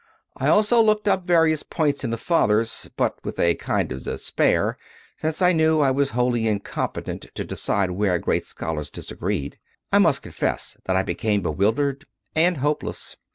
I also looked up various points in the Fathers, but with a kind of despair, since I ioo CONFESSIONS OF A CONVERT knew I was wholly incompetent to decide where great scholars disagreed. I must confess that I became bewildered and hopeless.